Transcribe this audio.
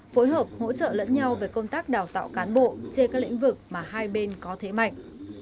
phối hợp hỗ trợ lẫn nhau về công tác đào tạo cán bộ trên các lĩnh vực mà hai bên có thế mạnh